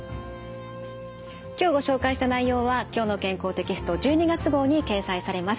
今日ご紹介した内容は「きょうの健康」テキスト１２月号に掲載されます。